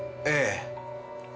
ええ。